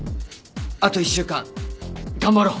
あと１週間頑張ろう。